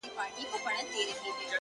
• د وخت پاچا زما اته ي دي غلا كړي،